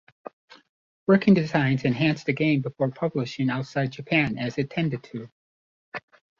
Working Designs enhanced the game before publishing it outside Japan, as it tended to.